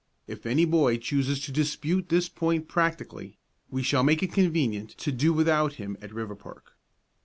If any boy chooses to dispute this point practically, we shall make it convenient to do without him at Riverpark.